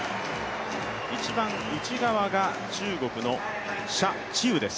一番内側が中国の謝智宇です。